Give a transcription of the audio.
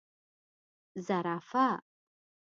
🦒 زرافه